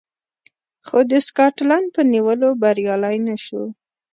خو د سکاټلنډ په نیولو بریالی نه شو